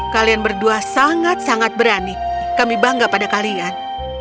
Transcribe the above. kalian berdua sangat sangat berani kami bangga pada kalian